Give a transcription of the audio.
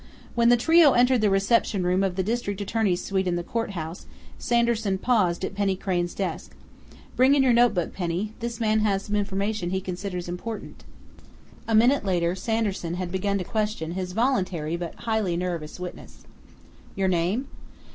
When the trio entered the reception room of the district attorney's suite in the courthouse Sanderson paused at Penny Crain's desk: "Bring in your notebook, Penny. This man has some information he considers important." A minute later Sanderson had begun to question his voluntary but highly nervous witness. "Your name?"